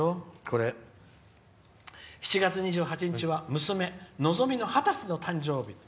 ７月２８日、娘のぞみの二十歳の誕生日。